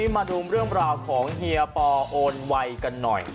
มาดูเรื่องราวของเฮียปอโอนไวกันหน่อย